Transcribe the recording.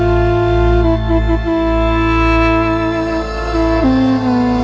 aku sudah selesai